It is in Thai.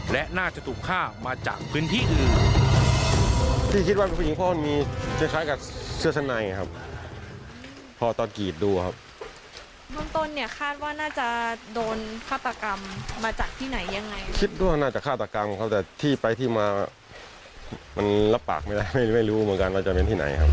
และน่าจะถูกฆ่ามาจากพื้นที่อื่น